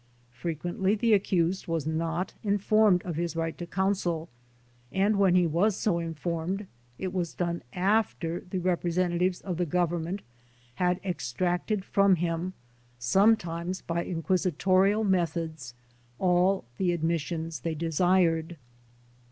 Frequently the accused was not informed of his right to counsel, and when he was so informed, it was done after the representatives of the government had extracted from him, sometimes by inquisitorial methods, all the admissions they desired.